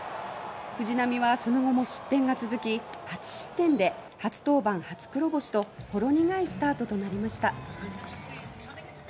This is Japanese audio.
藤浪はその後も失点が続き８失点で初登板初黒星とほろ苦いスタートとなりました。